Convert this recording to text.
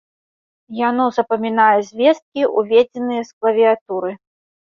Яно запамінае звесткі, уведзеныя з клавіятуры.